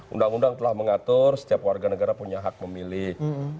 undang undang telah mengatur setiap warga negara punya hak memilih